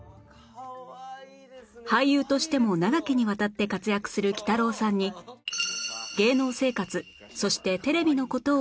俳優としても長きにわたって活躍するきたろうさんに芸能生活そしてテレビの事を伺います